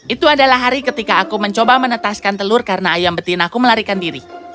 itu adalah hari ketika aku mencoba menetaskan telur karena ayam betina aku melarikan diri